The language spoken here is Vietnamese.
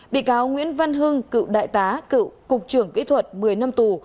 bị cáo nguyễn văn hưng cựu đại tá cựu cục trưởng kỹ thuật một mươi năm tù